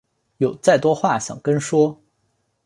有再多话想跟说